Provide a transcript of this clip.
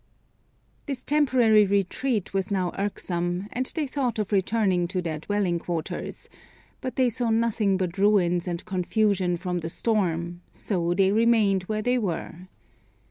This temporary retreat was now irksome, and they thought of returning to their dwelling quarters, but they saw nothing but ruins and confusion from the storm, so they remained where they were.